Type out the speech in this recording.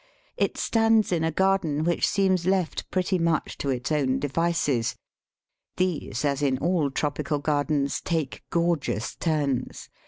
It stands in a garden which seems left pretty much to its own devices. These, as in all tropical gardens, take gorgeous turns.